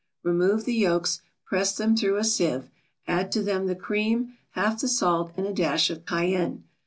Remove the yolks, press them through a sieve, add to them the cream, half the salt and a dash of cayenne.